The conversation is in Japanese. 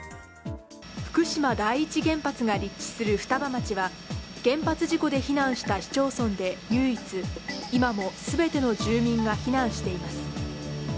福島第一原発が立地する双葉町は原発事故で避難した市町村で唯一、今も全ての住民が避難しています。